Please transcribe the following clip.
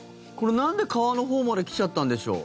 なんで川のほうまで来ちゃったんでしょう。